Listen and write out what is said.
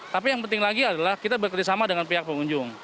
tapi yang penting lagi adalah kita bekerjasama dengan pihak pengunjung